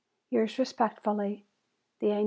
Yours respectfully, The A No.